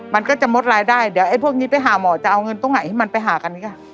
มันก็จะหมดรายได้เดี๋ยวไอ้พวกนี้ไปหาหมอจะเอาเงินตรงไหนมันไปหากันค่ะ